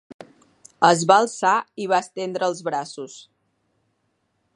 Es va alçar i va estendre els braços.